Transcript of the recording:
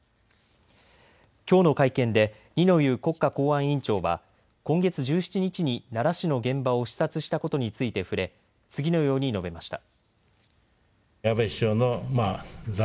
きょうの会見で二之湯国家公安委員長は今月１７日に奈良市の現場を視察したことについて触れ次のように述べました。